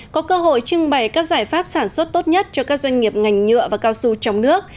có cơ hội trưng bày các giải pháp sản xuất tốt nhất cho các doanh nghiệp ngành nhựa và cao su trong nước